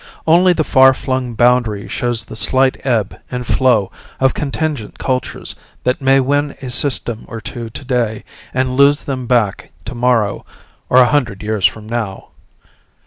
Only the far flung boundary shows the slight ebb and flow of contingent cultures that may win a system or two today and lose them back tomorrow or a hundred years from now.